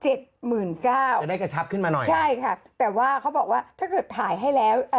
จะได้กระชับขึ้นมาหน่อยใช่ค่ะแต่ว่าเขาบอกว่าถ้าเกิดถ่ายให้แล้วเอ่อ